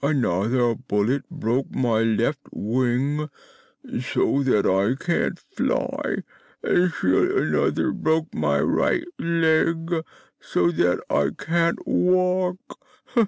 Another bullet broke my left wing, so that I can't fly; and still another broke my right leg, so that I can't walk.